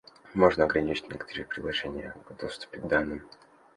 Можно ограничить некоторые приложения в доступе к данным